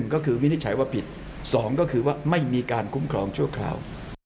ก็คือวินิจฉัยว่าผิด๒ก็คือว่าไม่มีการคุ้มครองชั่วคราว